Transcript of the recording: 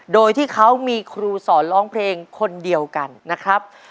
โดยที่เขามีครูสอนร้องเพลงคนเดียวกันนะครับ